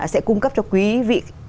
sẽ cung cấp cho quý vị